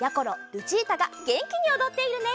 ルチータがげんきにおどっているね。